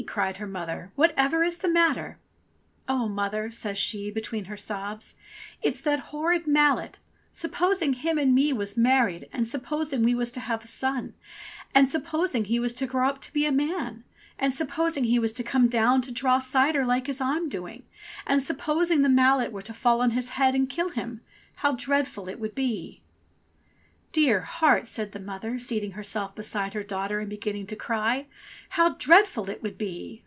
'* cried her mother, "whatever is the matter ?" "Oh, mother!" says she between her sobs, "it's that horrid mallet. Supposing him and me was married and supposing we was to have a son, and supposing he was to grow up to be a man, and supposing he was to come down to draw cider like as I'm doing, and supposing the mallet were to fall on his head and kill him, how dreadful it would be!" THE THREE SILLIES 105 Dear heart!" said the mother, seating herself beside her daughter and beginning to cry: "How dreadful it would be!"